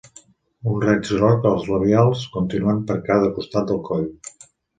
Un raig groc als labials, continuant per cada costat del coll.